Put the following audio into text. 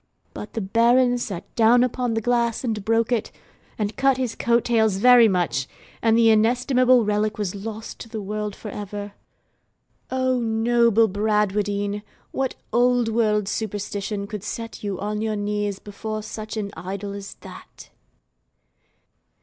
But the Baron sat down upon the glass and broke it, and cut his coat tails very much; and the inestimable relic was lost to the world for ever. O noble Bradwardine! what old world superstition could set you on your knees before such an idol as that?